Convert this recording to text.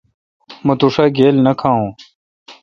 مہ تو ݭا گیل نہ کھاوین۔